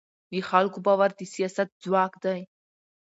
د خلکو باور د سیاست ځواک دی